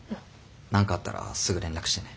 何かあったらすぐ連絡してね。